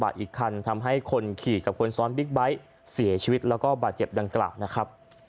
อีกคันทำให้คนขี่กับคนซ้อนบิ๊กไบท์เสียชีวิตแล้วก็บาดเจ็บดังกล่าวนะครับ